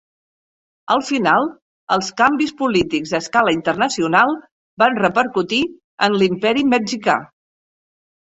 Al final els canvis polítics a escala internacional van repercutir en l'Imperi Mexicà.